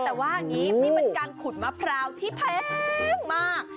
แต่ว่าอันนี้มันการขุดมะพร้าวที่แพงมาก